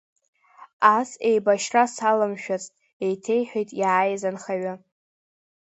Ас еибашьра саламшәацт, еиҭеиҳәеит иааиз анхаҩы…